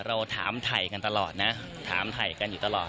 เราถามถ่ายกันตลอดนะถามถ่ายกันอยู่ตลอด